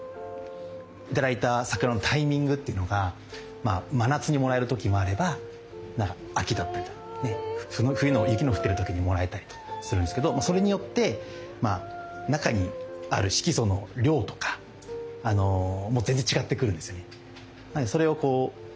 頂いた桜のタイミングっていうのが真夏にもらえる時もあれば秋だったりとかね冬の雪の降ってる時にもらえたりとするんですけどそれによって中にある色素の量とかもう全然違ってくるんですよね。